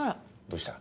どうした？